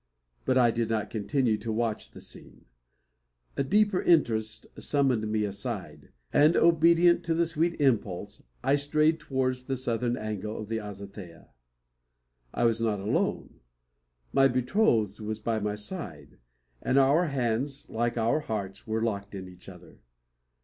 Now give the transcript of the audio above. But I did not continue to watch the scene. A deeper interest summoned me aside; and, obedient to the sweet impulse, I strayed towards the southern angle of the azotea. I was not alone. My betrothed was by my side; and our hands, like our hearts, were locked in each other.